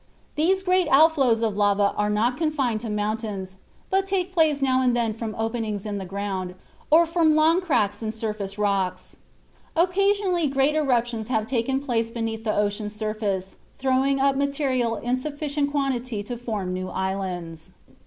These great outflows of lava are not confined to mountains, but take place now and then from openings in the ground, or from long cracks in the surface rocks. Occasionally great eruptions have taken place beneath the ocean's surface, throwing up material in sufficient quantity to form new islands.